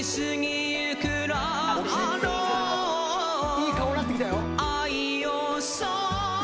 いい顔になってきたよ。